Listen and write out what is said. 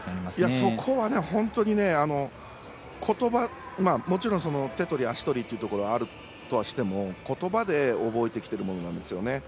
そこは本当に、もちろん手取り足取りっていうところがあるにしてもことばで覚えてきているっていうことなんですよね。